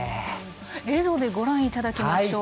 映像でご覧いただきましょう。